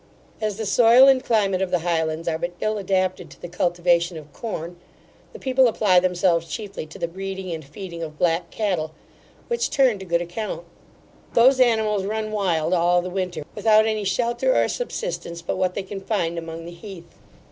As the soil and climate of the Highlands are but ill adapted to the cultivation of corn, the people apply themselves chiefly to the breeding and feeding of black cattle, which turn to good account. Those animals run wild all the winter, without any shelter or subsistence, but what they can find among the heath.